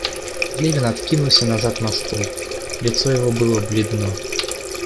Левин откинулся назад на стул, лицо его было бледно.